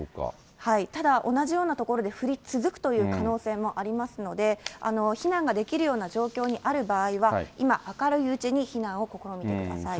ただ、同じような所で降り続くという可能性もありますので、避難ができるような状況にある場合には、今、明るいうちに避難を試みてください。